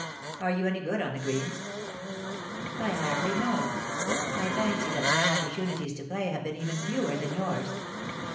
Are you any good on the greens ?"" I hardly know. I fancy that my opportunities to play have been even fewer than yours."